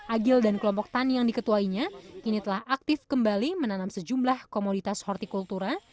agil dan kelompok tani yang diketuainya kini telah aktif kembali menanam sejumlah komoditas hortikultura